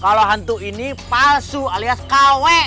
kalau hantu ini palsu alias kw